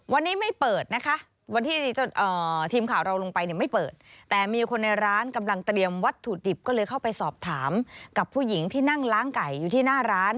วันนี้ไม่เปิดนะคะวันที่ทีมข่าวเราลงไปเนี่ยไม่เปิดแต่มีคนในร้านกำลังเตรียมวัตถุดิบก็เลยเข้าไปสอบถามกับผู้หญิงที่นั่งล้างไก่อยู่ที่หน้าร้าน